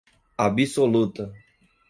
absoluta